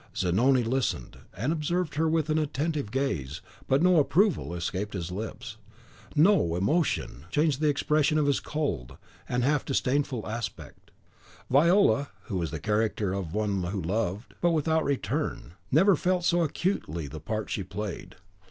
Zanoni listened, and observed her with an attentive gaze, but no approval escaped his lips; no emotion changed the expression of his cold and half disdainful aspect. Viola, who was in the character of one who loved, but without return, never felt so acutely the part she played.